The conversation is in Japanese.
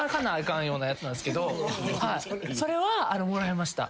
かんようなやつなんですけどそれはもらいました。